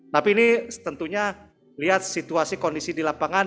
tapi ini tentunya lihat situasi kondisi di lapangan